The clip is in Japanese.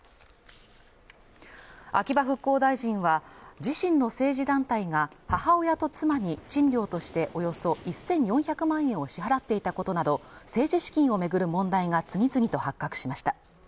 秋葉復興大臣は自身の政治団体が母親と妻に賃料としておよそ１４００万円を支払っていたことなど政治資金をめぐる問題が次々と発覚しました